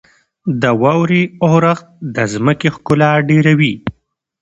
• د واورې اورښت د ځمکې ښکلا ډېروي.